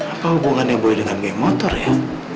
apa hubungannya boy dengan geng motor ya